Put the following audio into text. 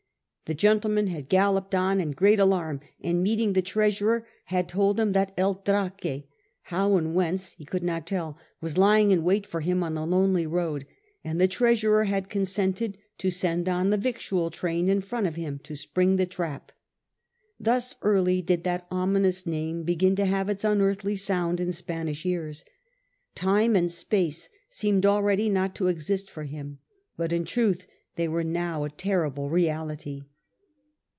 The gentleman had galloped on in great alarm, and meeting the Treasurer had told him that El Draque — how and whence he could not tell — was lying in wait for him on the lonely road, and the Treasurer had consented to send on the victual train in front of him to spring the trap. Thus early did that ominous name begin to have its unearthly sound in Spanish ears. Time and space seemed already not to exist for him, but in truth they were now a terrible reality.